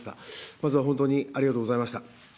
まずは本当にありがとうございました。